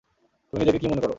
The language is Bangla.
তুমি নিজেকে কী মনে করো?